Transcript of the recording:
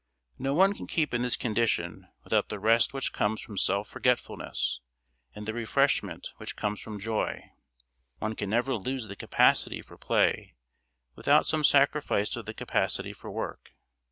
No one can keep in this condition without the rest which comes from self forgetfulness and the refreshment which comes from joy; one can never lose the capacity for play without some sacrifice of the capacity for work.